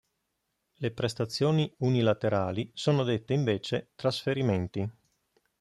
Le prestazioni unilaterali sono dette invece "trasferimenti".